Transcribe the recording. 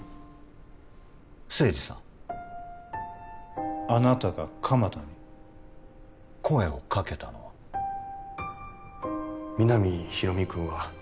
清二さんあなたが鎌田に声をかけたのは皆実広見君は